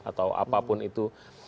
atau apapun itu